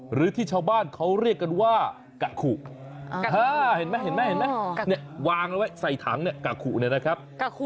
หรือที่ชาวบ้านเขาเรียกกันว่ากะขู่เห็นมั้ยวางไว้ใส่ถังกะขู่นะครับ